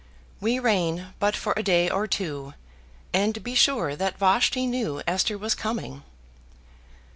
We reign but for a day or two: and be sure that Vashti knew Esther was coming."